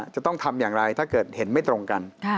จะต้องทำอย่างไรถ้าเกิดเห็นไม่ตรงกัน